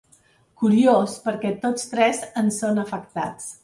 Curiós, perquè tots tres en són afectats.